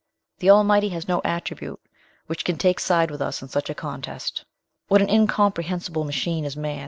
The Almighty has no attribute which can take side with us in such a contest. "What an incomprehensible machine is man!